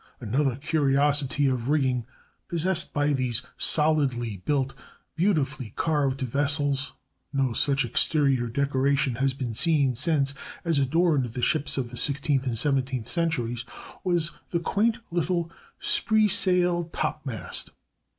Another curiosity of rigging possessed by these solidly built, beautifully carved vessels (no such exterior decoration has been seen since as adorned the ships of the sixteenth and seventeenth centuries) was the quaint little spritsail topmast.